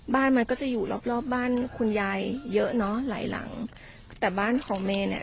บ้านมันก็จะอยู่รอบรอบบ้านคุณยายเยอะเนอะหลายหลังแต่บ้านของเมย์เนี้ย